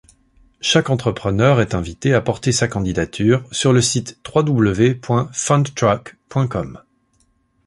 Chaque entrepreneur est invité à porter sa candidature sur le site www.fundtruck.com.